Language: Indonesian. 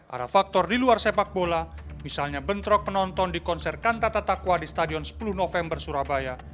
ada faktor di luar sepak bola misalnya bentrok penonton di konser kantata takwa di stadion sepuluh november surabaya